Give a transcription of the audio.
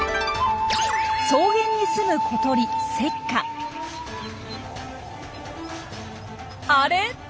草原にすむ小鳥あれ？